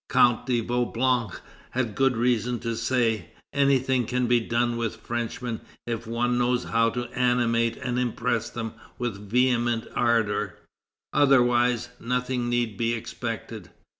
Count de Vaublanc had good reason to say: "Anything can be done with Frenchmen if one knows how to animate and impress them with vehement ardor; otherwise, nothing need be expected....